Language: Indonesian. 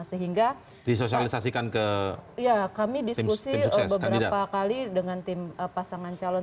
sehingga kami diskusi beberapa kali dengan tim pasangan calon